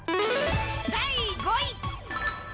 第５位。